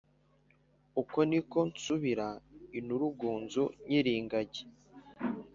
uko niko nzasubira Inurugunzu nyir’ingagi